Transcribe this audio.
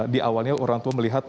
di awalnya orang tua melihat